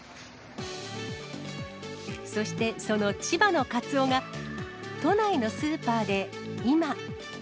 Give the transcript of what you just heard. そして、その千葉のカツオが、都内のスーパーで今。